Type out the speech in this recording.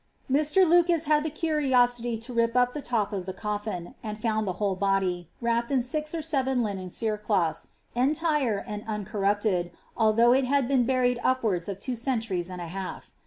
Bir. Lucas had the curiosity to rip up the top of the coffin, and foami the whole hody, wrapped in six or seven linen cerecloths, entire nd nncomipted, although it had been buried upwards of two centurieB mm! a half.